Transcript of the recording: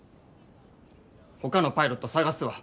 ほかのパイロット探すわ。